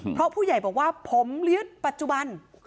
เพราะผู้ใหญ่บอกว่าผมเลี้ยงปัจจุบัน